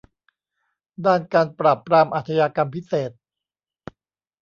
ด้านการปราบปรามอาชญากรรมพิเศษ